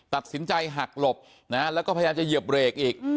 ตัดสินใจหักหลบนะฮะแล้วก็พยายามจะเหยียบเบรกอีก